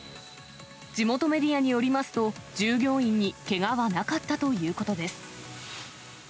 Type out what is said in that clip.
地元メディアによりますと、従業員にけがはなかったということです。